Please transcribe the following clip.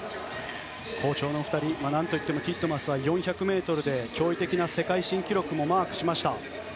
好調の２人何といってもティットマスは４００ｍで驚異的な世界新記録もマークしました。